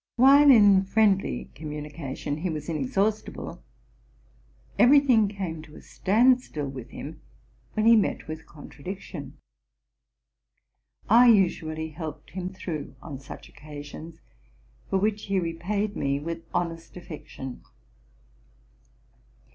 While in friendly communication he was inexhaustible, every thing came to a standstill with him when he niet with contradiction. I usually helped him through on such occasions, for which he repaid me with honest affection.